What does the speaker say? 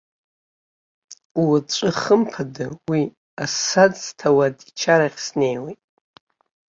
Уаҵәы, хымԥада, уи асаӡ ҭауад ичарахь снеиуеит.